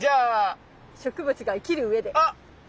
植物が生きるうえで。